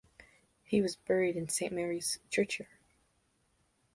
He was buried in Saint Mary's churchyard.